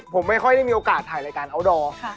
ผมไม่ค่อยได้มีโอกาสถ่ายรายการอัลดอร์